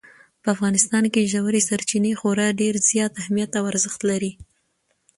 په افغانستان کې ژورې سرچینې خورا ډېر زیات اهمیت او ارزښت لري.